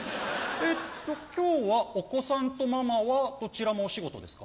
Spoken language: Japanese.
えっと今日はお子さんとママはどちらもお仕事ですか？